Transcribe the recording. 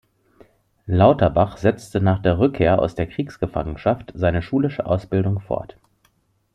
Lauterbach setzte nach der Rückkehr aus der Kriegsgefangenschaft seine schulische Ausbildung fort.